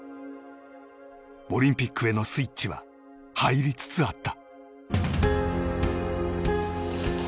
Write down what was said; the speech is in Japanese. オリンピックへのスイッチは入りつつあった。